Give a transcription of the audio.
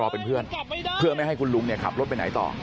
เพื่อไม่ให้คุณลุงขับรถไปไหนต่อ